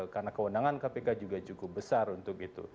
karena kewenangan kpk juga cukup besar untuk itu